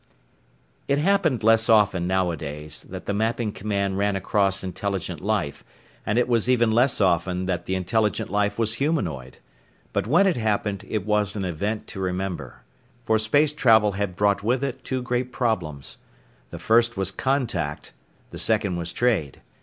It happened less often, nowadays, that the Mapping Command ran across intelligent life, and it was even less often that the intelligent life was humanoid. But when it happened it was an event to remember. For space travel had brought with it two great problems. The first was Contact, the second was Trade.